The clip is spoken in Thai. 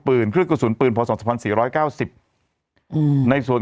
ปืนเครื่องกระสุนปืนพสองพันสี่ร้อยเก้าสิบอืมในส่วน